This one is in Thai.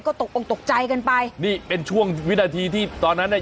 ก็ตกออกตกใจกันไปนี่เป็นช่วงวินาทีที่ตอนนั้นเนี่ย